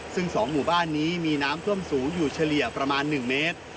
ซึ่ง๒หมู่บ้านนี้มีน้ำท่วมสูงอยู่เฉลี่ยประมาณ๑เมตร